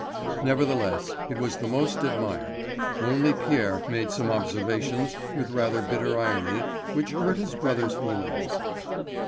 Nevertheless it was the most admired; only Pierre made some observations with rather bitter irony which hurt his brother's feelings.